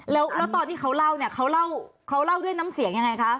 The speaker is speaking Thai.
แล้วตอนที่เขาเล่าเนี่ยเขาเล่าเขาเล่าด้วยน้ำเสียงยังไงคะ